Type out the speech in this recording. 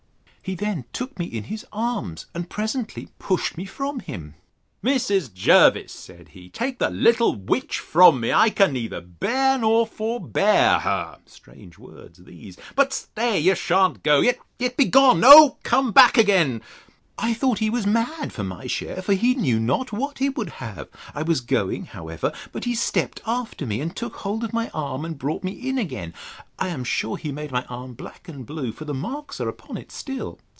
He then took me in his arms, and presently pushed me from him. Mrs. Jervis, said he, take the little witch from me; I can neither bear, nor forbear her—(Strange words these!)—But stay; you shan't go!—Yet begone!—No, come back again. I thought he was mad, for my share; for he knew not what he would have. I was going, however; but he stept after me, and took hold of my arm, and brought me in again: I am sure he made my arm black and blue; for the marks are upon it still.